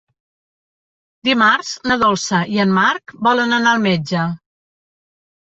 Dimarts na Dolça i en Marc volen anar al metge.